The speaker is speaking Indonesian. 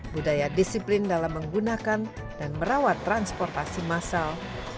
budaya disiplin dalam menggunakan dan merawat transportasi massal